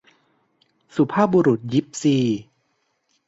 สุภาพบุรุษยิปซี